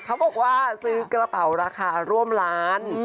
เขาบอกว่าซื้อกระเป๋าราคาร่วมล้าน